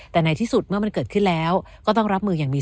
แต่ในที่สุดเมื่อมันเกิดขึ้นแล้วก็ต้องรับมืออย่างมี